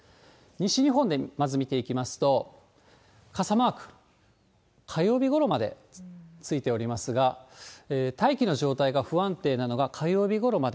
西日本でまず見ていきますと、傘マーク、火曜日ごろまでついておりますが、大気の状態が不安定なのが火曜日ごろまで。